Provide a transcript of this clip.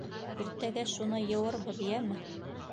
Иртәгә шуны йыуырбыҙ, йәме.